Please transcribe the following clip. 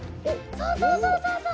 そうそうそうそうそう！